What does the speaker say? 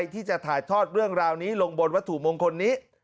ที่เกิดเค้าก็ถูกมงคนนี้